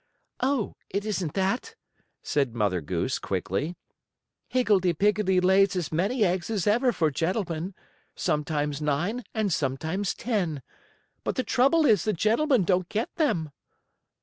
"Oh, it isn't that!" said Mother Goose, quickly. "Higgledee Piggledee lays as many eggs as ever for gentlemen sometimes nine and sometimes ten. But the trouble is the gentlemen don't get them."